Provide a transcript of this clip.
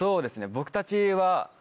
僕たちは。